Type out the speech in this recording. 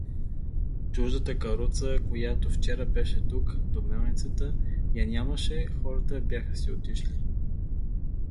Чуждата каруца, която вчера беше тук, до мелницата, я нямаше, хората бяха си отишли.